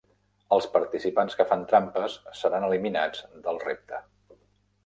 Els participants que fan trampes seran eliminats del repte.